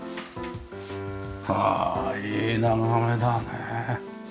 ああいい眺めだねえ。